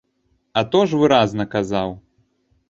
А то ж выразна казаў!